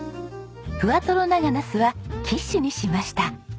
ふわとろ長ナスはキッシュにしました。